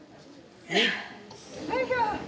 よいしょ！